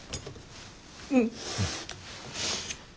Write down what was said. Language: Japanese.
うん。